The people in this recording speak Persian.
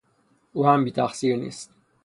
او هم بیتقصیر نیست.